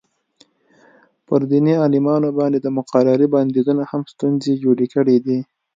پر دیني عالمانو باندې د مقررې بندیزونو هم ستونزې جوړې کړې.